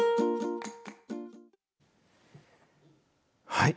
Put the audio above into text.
はい。